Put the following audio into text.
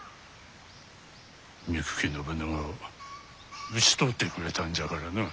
憎き信長を討ち取ってくれたんじゃからな。